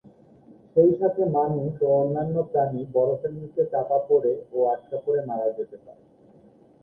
সেইসাথে মানুষ ও অন্যান্য প্রাণী বরফের নিচে চাপা পড়ে ও আটকা পড়ে মারা যেতে পারে।